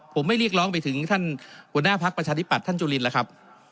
ผมไม่เรียกร้องไปถึงท่านหัวหน้าพักประชาธิปัตย์ท่านจุลินแล้วครับ